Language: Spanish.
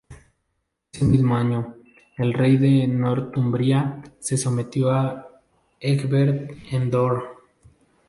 Ese mismo año, el Rey de Northumbria se sometió a Egbert en Dore.